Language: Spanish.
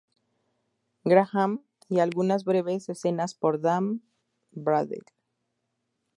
Graham y algunas breves escenas por Dan Bradley.